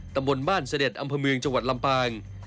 ตำรวจบ้านเสด็จอำเภอเมืองจลำปาง